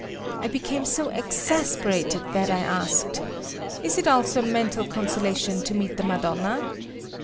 I became so exasperated that I asked; "Is it also a mental consolation to meet the Madonna?"